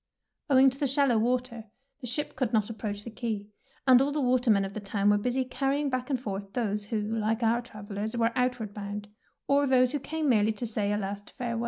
Owing to the shallow water, the ship could not approach the quay, and all the watermen of the town were busy carrying back and forth those who, like our travellers, were outward bound, or those who came merely to say a last farewell.